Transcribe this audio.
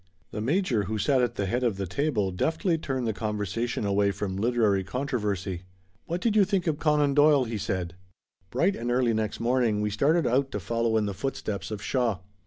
The major who sat at the head of the table deftly turned the conversation away from literary controversy. "What did you think of Conan Doyle?" he said. Bright and early next morning we started out to follow in the footsteps of Shaw.